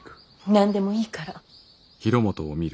何でもいいから。